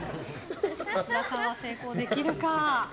松田さんは成功できるか。